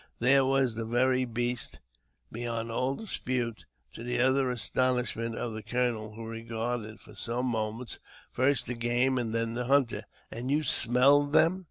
There was the very beast, beyond all dispute, to the utter astonishment of the colonel, who regarded for some moments first the game and then the hunter. "And you smelled them!"